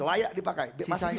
layak dipakai masih bisa